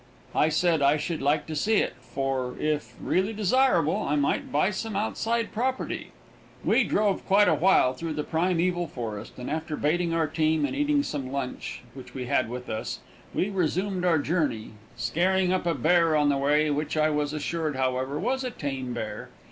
I said I should like to see it, for, if really desirable, I might buy some outside property. We drove quite awhile through the primeval forest, and after baiting our team and eating some lunch which we had with us, we resumed our journey, scaring up a bear on the way, which I was assured, however, was a tame bear.